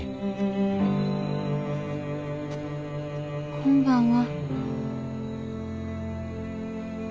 こんばんは。